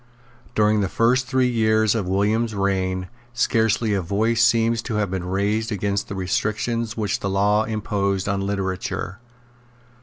During the first three years of William's reign scarcely a voice seems to have been raised against the restrictions which the law imposed on literature.